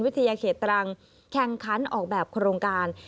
เขตตรังแข่งขันออกแบบโครงการ